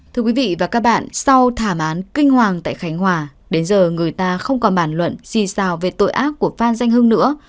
thưa quý vị và các bạn sau thảm án kinh hoàng tại khánh hòa đến giờ người ta không còn bản luận gì sàng về tội ác của phan danh hưng nữa